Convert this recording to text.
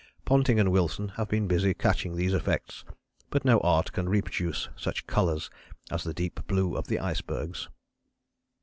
Ponting and Wilson have been busy catching these effects, but no art can reproduce such colours as the deep blue of the icebergs."